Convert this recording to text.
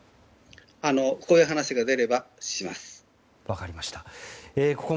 こういう話が出ればします。